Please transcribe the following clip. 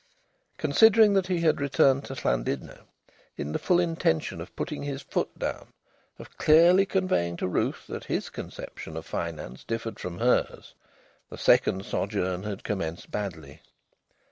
Considering that he had returned to Llandudno in the full intention of putting his foot down, of clearly conveying to Ruth that his conception of finance differed from hers, the second sojourn had commenced badly.